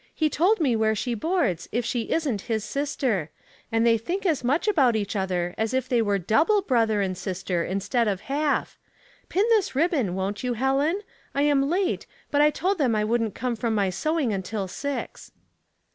He told me where she boards, if she isn't his sister. And they think as much of each other as if they were double brother and sister instead of half. Pin this ribbon, won't yo j, Helen ? I am late, but I told them I couldn't come from my sewing until six."